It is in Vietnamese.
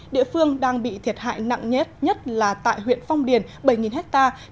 địa phương đang bị thiệt hại nặng nhất nhất là tại huyện phong điền bảy hectare